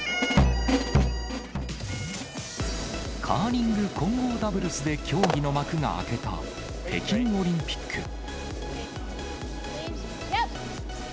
カーリング混合ダブルスで競技の幕が開けた北京オリンピック。